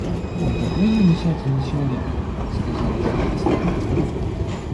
Он такой замечательный человек, —сказала жена посланника.